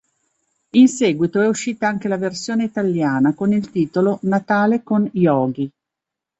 In seguito, è uscita anche la versione italiana con il titolo "Natale con Yoghi".